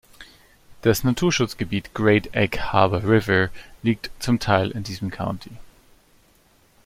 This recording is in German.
Das Naturschutzgebiet "Great Egg Harbor River" liegt zum Teil in diesem County.